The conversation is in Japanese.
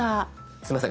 すいません